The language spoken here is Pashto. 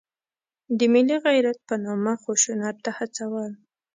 د ملي غیرت په نامه خشونت ته هڅول.